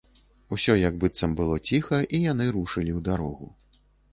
Усё як быццам было ціха, і яны рушылі ў дарогу.